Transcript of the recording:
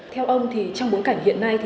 theo ông trong bốn cảnh hiện nay